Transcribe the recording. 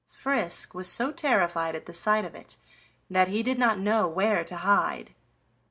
Frisk was so terrified at the sight of it that he did not know where to hide.